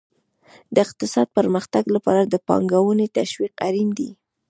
د اقتصادي پرمختګ لپاره د پانګونې تشویق اړین دی.